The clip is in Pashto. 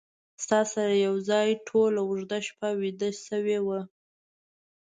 ستا سره یو ځای ټوله اوږده شپه ویده شوی وم